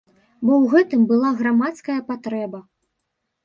Бо ў гэтым была грамадская патрэба.